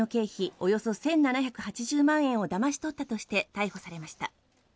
およそ１７８０万円をだまし取ったとして逮捕されました。